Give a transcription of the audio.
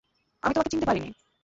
আমি তোমাকে চিনতে পারিনি।